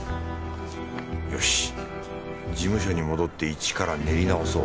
よし事務所に戻ってイチから練り直そう。